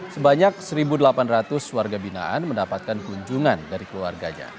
sebanyak satu delapan ratus warga binaan mendapatkan kunjungan dari keluarganya